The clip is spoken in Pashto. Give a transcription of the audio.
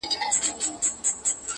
• زه به راځم زه به تنها راځمه ,